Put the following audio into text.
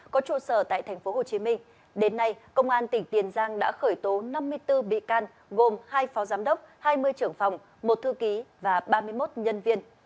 có trụ sở tại tp hcm đến nay công an tỉnh tiền giang đã khởi tố năm mươi bốn bị can gồm hai phó giám đốc hai mươi trưởng phòng một thư ký và ba mươi một nhân viên